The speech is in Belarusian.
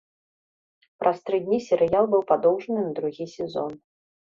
Праз тры дні серыял быў падоўжаны на другі сезон.